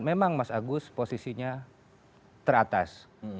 memang mas agus posisinya teratas